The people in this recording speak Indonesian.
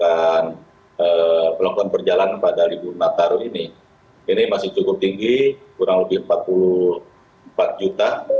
dan peluang peluang berjalan pada ribu nataro ini ini masih cukup tinggi kurang lebih empat puluh empat juta